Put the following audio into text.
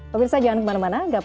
pak pirsah jangan kemana mana